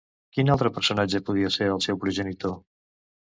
Quin altre personatge podria ser el seu progenitor?